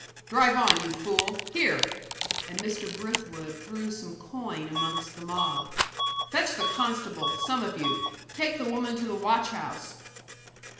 "Drive on, you fool! Here" and Mr. Brithwood threw some coin amongst the mob "Fetch the constable some of you; take the woman to the watch house!"